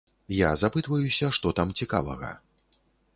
Я запытваюся, што там цікавага.